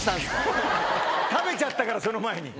食べちゃったから、その前に。